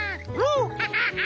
ウハハハ。